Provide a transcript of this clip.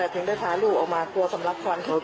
ถึงได้พาลูกออกมากลัวสำลักควันเขา